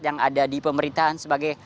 yang ada di pemerintahan sebagai